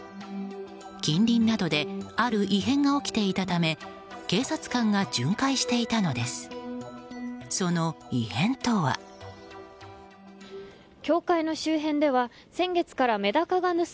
近隣などである異変が起きていたため警察官が巡回していたのです。